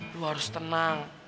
lo harus tenang